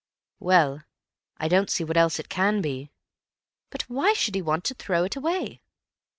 "Well, I don't see what else it can be." "But why should he want to throw it away?"